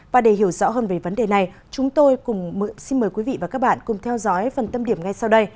và để hiểu rõ hơn về vấn đề này chúng tôi xin mời quý vị và các bạn cùng theo dõi phần tâm điểm ngay sau đây